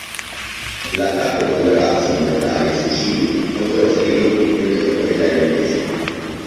L'attacco con razzi, mortai e fucili causò il ferimento di un giocatore thailandese.